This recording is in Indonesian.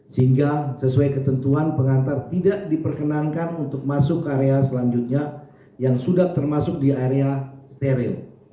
sehingga sesuai ketentuan pengantar tidak diperkenankan untuk masuk ke area selanjutnya yang sudah termasuk di area steril